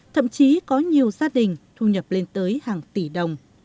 thậm chí có nhiều gia đình thu nhập lên tới hàng tỷ đồng